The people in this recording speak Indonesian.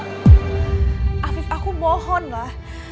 hafif aku mohonlah